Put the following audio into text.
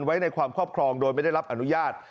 เขาเล่าบอกว่าเขากับเพื่อนเนี่ยที่เรียนปลูกแดงใช่ไหม